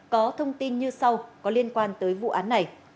có thông tin như sau có liên quan tới vụ án này